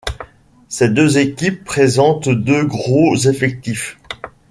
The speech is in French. Ces deux équipes présentent deux gros effectifs.